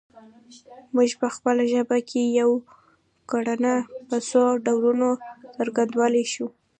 موږ په خپله ژبه کې یوه کړنه په څو ډولونو څرګندولی شو